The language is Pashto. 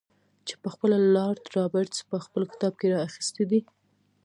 چې پخپله لارډ رابرټس په خپل کتاب کې را اخیستی.